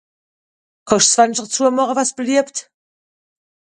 Kann'sch s'Fenschter züemache wann's beliebt?